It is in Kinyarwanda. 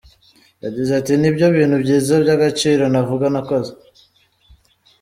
Yagize ati "Nibyo bintu byiza by’agaciro navuga nakoze.